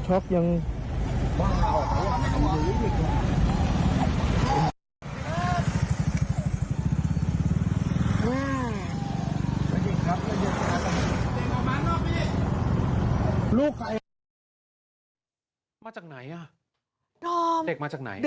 เด็กมายังเล็กมากอะ